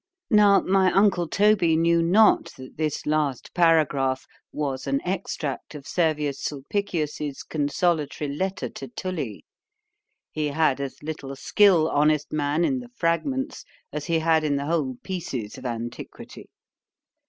— Now my uncle Toby knew not that this last paragraph was an extract of Servius Sulpicius's consolatory letter to Tully.—He had as little skill, honest man, in the fragments, as he had in the whole pieces of antiquity.